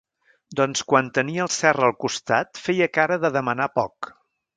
Doncs quan tenia el Serra al costat feia cara de demanar poc.